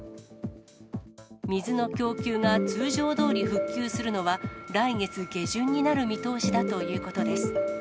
水の供給が通常どおり復旧するのは、来月下旬になる見通しだということです。